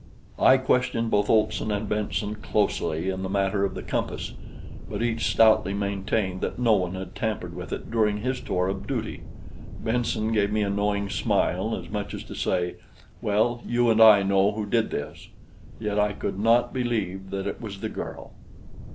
I questioned both Olson and Benson closely in the matter of the compass; but each stoutly maintained that no one had tampered with it during his tour of duty. Benson gave me a knowing smile, as much as to say: "Well, you and I know who did this." Yet I could not believe that it was the girl.